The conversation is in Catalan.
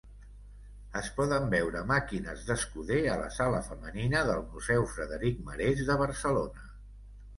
Es poden veure màquines d'escuder a la Sala Femenina del Museu Frederic Marès de Barcelona.